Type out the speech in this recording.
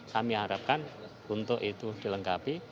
kami harapkan untuk itu dilengkapi